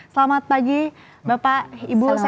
selamat pagi bapak ibu sekalian